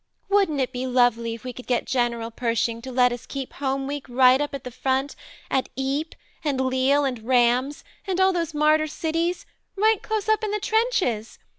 Wouldn't it be lovely if we could get General Pershing to let us keep Home Week right up at the front, at 'Eep and Leal and Rams, and all those martyr cities right close up in the trenches